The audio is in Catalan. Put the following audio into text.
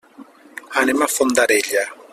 Anem a Fondarella.